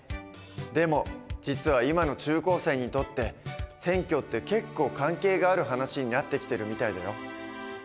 でも実は今の中高生にとって選挙って結構関係がある話になってきてるみたいだよ。